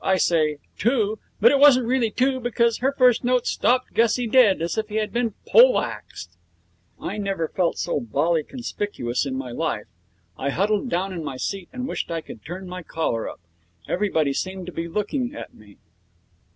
I say 'too', but it wasn't really too, because her first note stopped Gussie dead, as if he had been pole axed. I never felt so bally conspicuous in my life. I huddled down in my seat and wished I could turn my collar up. Everybody seemed to be looking at me.